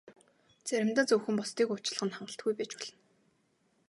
Заримдаа зөвхөн бусдыг уучлах нь хангалтгүй байж болно.